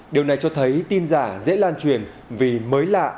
điều này cho thấy tin giả dễ lan truyền vì mới lạ